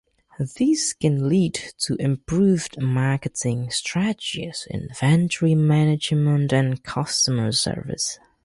This can lead to improved marketing strategies, inventory management, and customer service.